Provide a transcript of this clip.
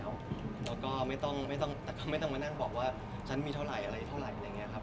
แล้วก็ไม่ต้องมานั่งบอกว่าฉันมีเท่าไหร่อะไรเท่าไหร่อะไรอย่างนี้ครับ